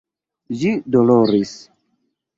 Ĝi doloris.